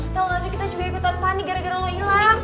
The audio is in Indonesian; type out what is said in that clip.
kalau gak sih kita juga ikutan panik gara gara lo hilang